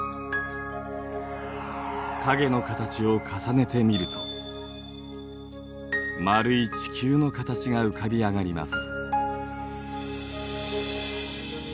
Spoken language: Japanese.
影の形を重ねてみると丸い地球の形が浮かび上がります。